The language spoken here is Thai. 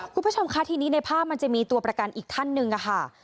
คุณผู้ชมคะทีนี้ในภาพมันจะมีตัวประกันอีกท่านหนึ่งค่ะ